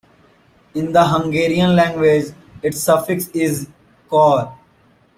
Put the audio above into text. In the Hungarian language its suffix is "-kor".